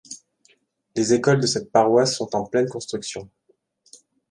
Les écoles de cette paroisse sont en pleines construction.